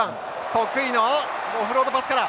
得意のオフロードパスから。